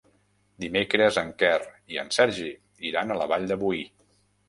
Dimecres en Quer i en Sergi iran a la Vall de Boí.